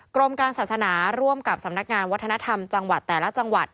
กรมการศาสนาร่วมกับสำนักงานวัฒนธรรมจังหวัดแต่ละจังหวัด